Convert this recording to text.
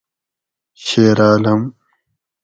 شیرعالم